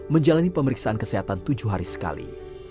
menjalani pemeriksaan kesehatan tujuh hari sekali